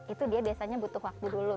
itu dia biasanya butuh waktu dulu